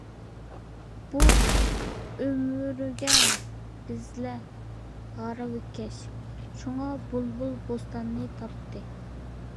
بۇ ئۆمۈرگە بىزلەر «ھارۋىكەش»، شۇڭا «بۇلبۇل بوستاننى تاپتى».